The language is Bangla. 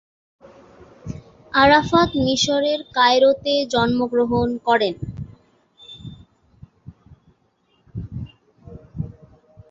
আরাফাত মিশরের কায়রোতে জন্মগ্রহণ করেন।